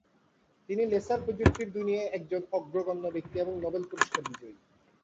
তিনি লেসার প্রযুক্তির দুনিয়ায় একজন অগ্রগণ্য ব্যক্তি এবং নোবেল পুরস্কার বিজয়ী।